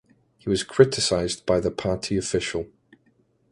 He was criticised by the party official.